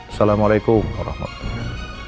assalamualaikum warahmatullahi wabarakatuh